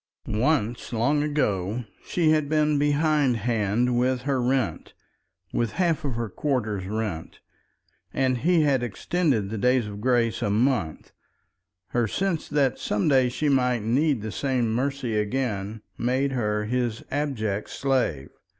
Once, long ago, she had been behind hand with her rent, with half of her quarter's rent, and he had extended the days of grace a month; her sense that some day she might need the same mercy again made her his abject slave.